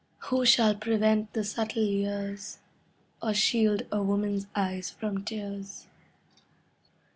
. Who shall prevent the subtle years, Or shield a woman's eyes from tears?